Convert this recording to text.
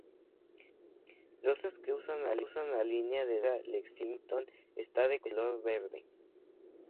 Los servicios que usan la línea de la Avenida Lexington están de color verde.